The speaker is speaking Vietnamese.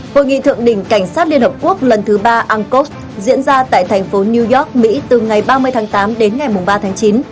hội nghị thượng đỉnh cảnh sát liên hợp quốc lần thứ ba uncos diễn ra tại thành phố new york mỹ từ ngày ba mươi tháng tám đến ngày ba tháng chín